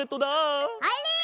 あれ！？